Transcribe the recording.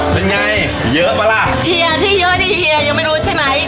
เป็นไงเยอะป่ะล่ะเฮียที่เยอะที่เฮียยังไม่รู้ใช่ไหม